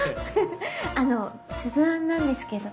あのつぶあんなんですけど。